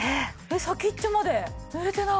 先っちょまで濡れてない！